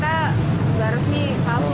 tapi mereka nggak resmi palsu